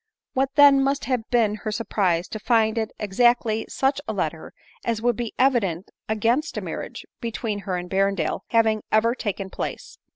What then must have heen her surprise, to find it ex actly such a letter as would be evidence against a marriage between her and Berrendale having ever taken place